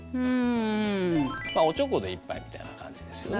まあおちょこで一杯みたいな感じですよね。